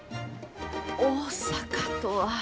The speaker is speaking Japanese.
大阪とは。